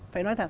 phải nói thật